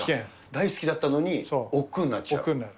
大好きだったのに、おっくうおっくうになる。